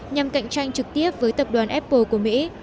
nhằm cạnh tranh trực tiếp với tập đoàn apple của mỹ